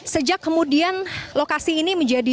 sejak kemudian lokasi ini menjadi